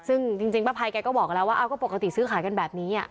ซึ่งจริงป้าภัยแกก็บอกแล้วว่าก็ปกติซื้อขายกันแบบนี้